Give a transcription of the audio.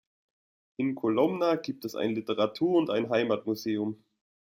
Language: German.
In Kolomna gibt es ein Literatur- und ein Heimatmuseum.